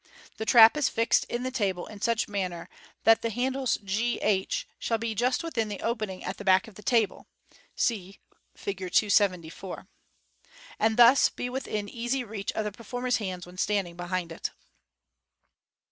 The trap is fixed in the table in such man ner that the handles g h shall be just within the opening at the back of the table {see Fig. 274), and thus be within easy reach of the performer's hands when landing behind it.